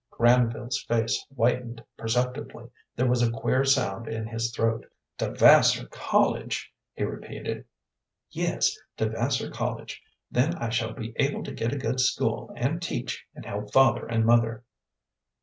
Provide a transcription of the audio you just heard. Granville's face whitened perceptibly. There was a queer sound in his throat. "To Vassar College!" he repeated. "Yes, to Vassar College. Then I shall be able to get a good school, and teach, and help father and mother."